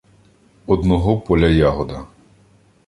Одного поля ягода.